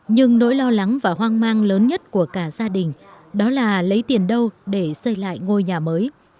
nhưng nỗi lo lắng và hoang mang lớn nhất của cả gia đình đó là lấy tiền đâu để xây lại ngôi nhà mới